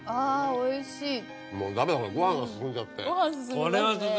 おいしいわ。